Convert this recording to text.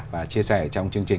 và chia sẻ trong chương trình